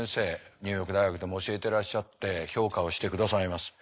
ニューヨーク大学でも教えてらっしゃって評価をしてくださいます。